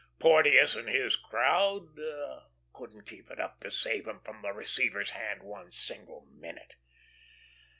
Porteous and his crowd couldn't keep it up to save 'em from the receiver's hand one single minute."